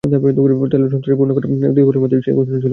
Taylor century পূর্ণ করার দুই বলের মধ্যেই সেই ঘোষণা চলে আসে।